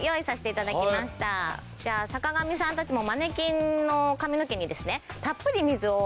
じゃあ坂上さんたちもマネキンの髪の毛にですねたっぷり水を。